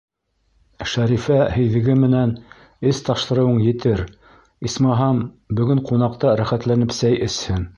Шәрифә һейҙеге менән эс таштырыуың етер, исмаһам, бөгөн ҡунаҡта рәхәтләнеп сәй эсһен.